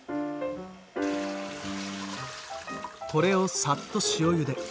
これをさっと塩ゆで。